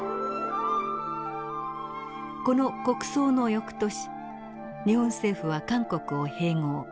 この国葬の翌年日本政府は韓国を併合。